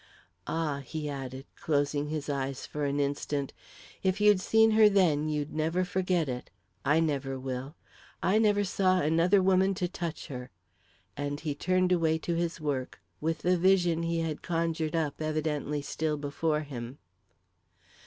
"Ah," he added, closing his eyes for an instant, "if you'd seen her then, you'd never forget it. I never will. I never saw another woman to touch her!" and he turned away to his work, with the vision he had conjured up evidently still before him.